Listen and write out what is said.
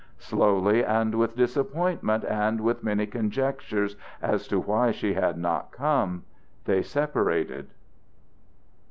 Slowly and with disappointment and with many conjectures as to why she had not come, they separated.